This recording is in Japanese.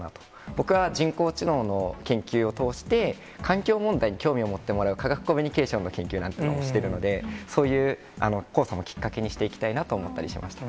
僕は、人工知能の研究を通して、環境問題に興味を持ってもらう、科学コミュニケーションの研究なんていうのもしてるので、そういう黄砂もきっかけにしていきたいなと思ったりしました。